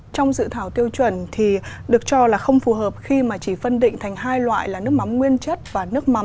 trong dự thảo tiêu chuẩn thì được cho là không phù hợp khi mà chỉ phân định thành hai loại là nước mắm nguyên chất và nước mắm